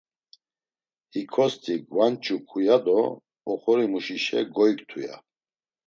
Hikosti gvancuk̆u ya do oxorimuşişe goyktu ya.